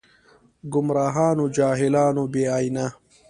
ګمراهان و جاهلان و بې ائينه